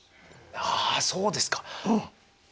あそうですか。